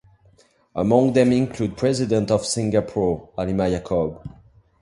Among them include President of Singapore Halimah Yacob.